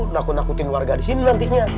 nakut nakutin warga disini nantinya